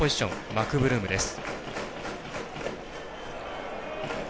マクブルームです。